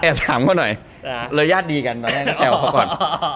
แอบถามเขาหน่อยระยะดีกันแอบเขาก่อน